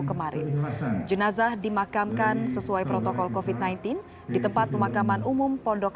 kemarin jenazah dimakamkan sesuai protokol kofit sembilan belas di tempat pemakaman umum pondok